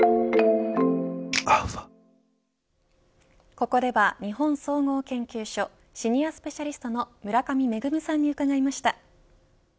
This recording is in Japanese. ここでは日本総合研究所シニアスペシャリストの村上芽さんに伺いました。